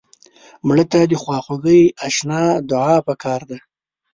مړه ته د خواخوږۍ اشنا دعا پکار ده